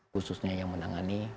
khususnya yang menangani